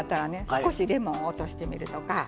少しレモンを落としてみるとか。